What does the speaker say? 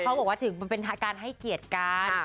เขาบอกว่าถึงมันเป็นการให้เกลียดกัน